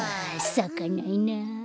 さかないな。